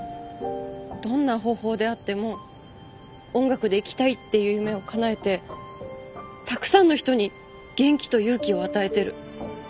どんな方法であっても音楽で生きたいっていう夢をかなえてたくさんの人に元気と勇気を与えてる。